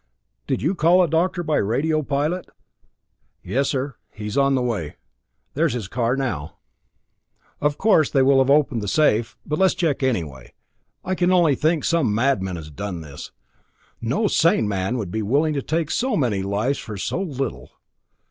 Did you call a doctor by radio, Pilot?" "Yes, sir. He is on his way. There's his car now." "Of course they will have opened the safe but let's check anyway. I can only think some madman has done this no sane man would be willing to take so many lives for so little."